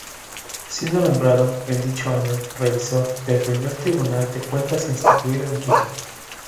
Siendo nombrado, en dicho año, Revisor, del Primer Tribunal de Cuentas instituido en Quito.